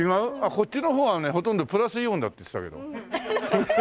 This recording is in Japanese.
こっちの方はねほとんどプラスイオンだって言ってたけど。